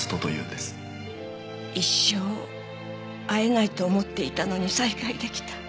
一生会えないと思っていたのに再会出来た。